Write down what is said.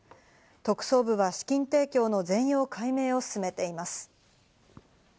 特捜部は資金提供の全容解明を進めています。